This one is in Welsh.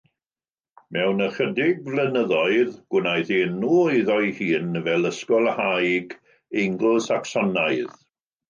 Mewn ychydig flynyddoedd, gwnaeth enw iddo ei hun fel ysgolhaig Eingl-Sacsonaidd.